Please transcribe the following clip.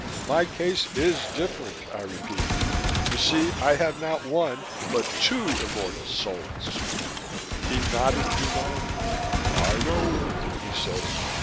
"My case is different," I repeated. "You see, I have not one but two immortal souls." He nodded benignly. "I know," he said.